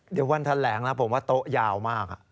เดี๋ยววันแถลงนะผมว่าโต๊ะยาวมาก